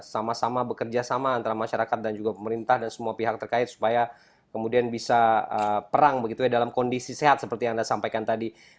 sama sama bekerja sama antara masyarakat dan juga pemerintah dan semua pihak terkait supaya kemudian bisa perang begitu ya dalam kondisi sehat seperti yang anda sampaikan tadi